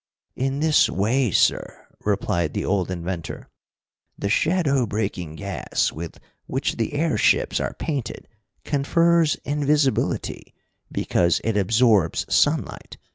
"In this way, sir," replied the old inventor. "The shadow breaking gas with which the airships are painted confers invisibility because it absorbs sunlight.